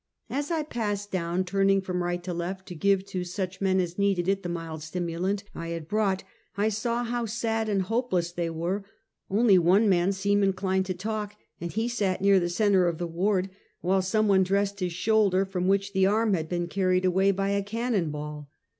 As I passed down, turning from right to left, to give to such men as needed it the mild stimulant I had brought, I saw how sad and hopeless they were; only one man seemed inclined to talk, and he sat near the centre of the ward, while some one dressed his shoul der from which the arm had been carried away by a cannon ball.